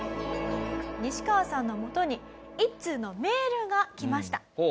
ニシカワさんのもとに１通のメールが来ました。